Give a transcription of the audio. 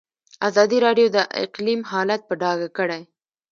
ازادي راډیو د اقلیم حالت په ډاګه کړی.